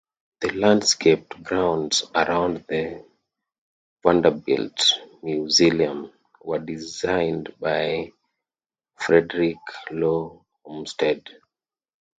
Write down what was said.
The landscaped grounds around the Vanderbilt mausoleum were designed by Frederick Law Olmsted.